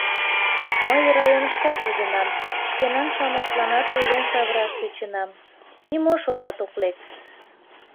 Мый районышкат возенам, шкенан-шамычланат ойлен савыраш тӧченам — нимо шотат ок лек.